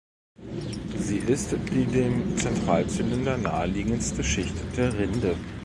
Sie ist die dem Zentralzylinder naheliegendste Schicht der Rinde.